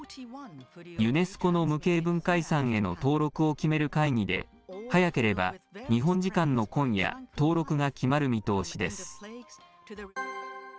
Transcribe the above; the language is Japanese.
ユネスコの無形文化遺産への登録を決める会議で、早ければ日本時間の今夜、登録が決まる見通しです。